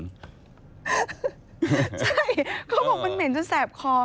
ใช่เขาบอกมันเหม็นจนแสบคอ